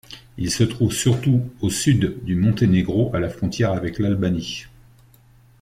Ils se trouvent surtout au sud du Monténégro à la frontière avec l'Albanie.